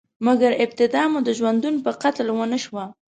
مګر، ابتدا مو د ژوندون په قتل ونشوه؟